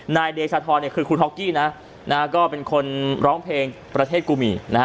นายเดชาธรมคือคุณฮอกกี้เป็นคนร้องเพลงประเทศกุมี